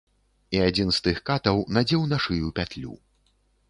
І адзін з тых катаў надзеў на шыю пятлю.